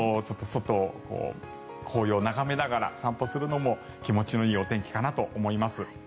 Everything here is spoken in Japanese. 外、紅葉を眺めながら散歩するのも気持ちのいいお天気かなと思います。